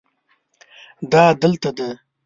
دا دلته ده